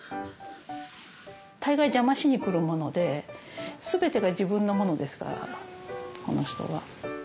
大概邪魔しに来るもので全てが自分のものですからこの人は。